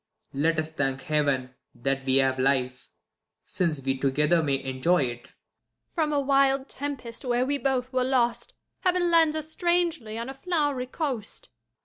Let us thank Heaven that we have life, since we together May enjoy it. Jul. From a wild tempest, where we both were lost. Heaven lands us strangely on a flow'ry coast.